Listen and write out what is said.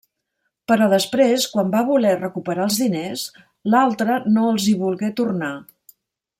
Però després, quan va voler recuperar els diners, l'altre no els hi volgué tornar.